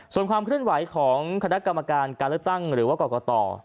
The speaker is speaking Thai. ส่วนความเคลื่อนไหวของคณะกรรมการการเลือกตั้งหรือว่ากรกต